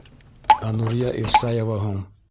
Ә Нурия Ирсаева һуң?!